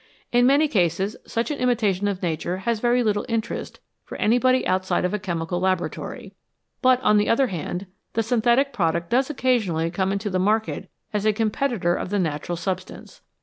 In many cases such an imitation of Nature has very little interest for anybody outside of a chemical laboratory, but, on the other hand, the synthetic product does occasionally come into the market as a competitor of the natural substance.